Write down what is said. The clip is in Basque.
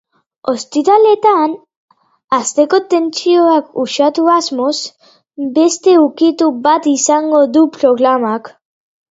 Ostiraletan, asteko tentsioak uxatu asmoz, beste ukitu bat izango du programak.